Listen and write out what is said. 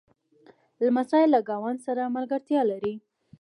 لمسی له ګاونډ سره ملګرتیا لري.